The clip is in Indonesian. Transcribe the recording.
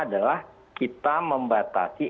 adalah kita membatasi